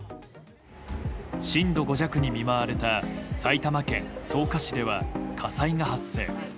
震度５弱に見舞われた埼玉県草加市では火災が発生。